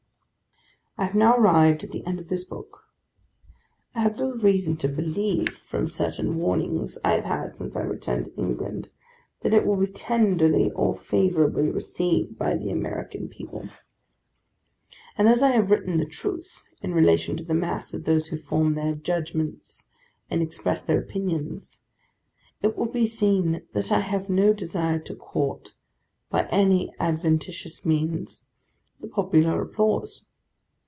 I HAVE now arrived at the close of this book. I have little reason to believe, from certain warnings I have had since I returned to England, that it will be tenderly or favourably received by the American people; and as I have written the Truth in relation to the mass of those who form their judgments and express their opinions, it will be seen that I have no desire to court, by any adventitious means, the popular applause.